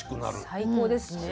最高ですね。